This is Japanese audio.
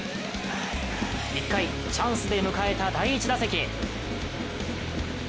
１回、チャンスで迎えた第１打席。